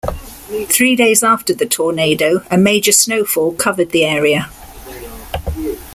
Three days after the tornado, a major snowfall covered the area.